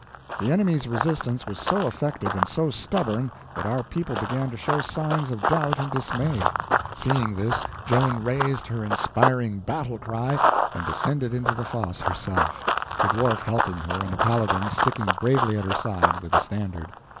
The enemy's resistance was so effective and so stubborn that our people began to show signs of doubt and dismay. Seeing this, Joan raised her inspiring battle cry and descended into the fosse herself, the Dwarf helping her and the Paladin sticking bravely at her side with the standard.